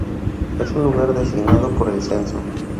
Es un lugar designado por el censo.